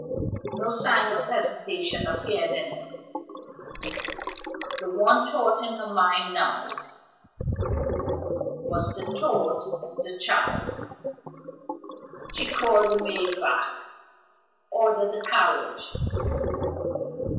No sign of hesitation appeared in it the one thought in her mind now was the thought of the child. She called the maid back. "Order the carriage."